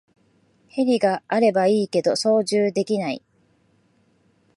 ヘリがあればいいけど操縦できない